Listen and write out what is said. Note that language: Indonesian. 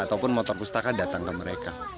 ataupun motor pustaka datang ke mereka